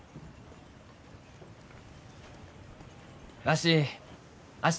わし明日